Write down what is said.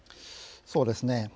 そうですね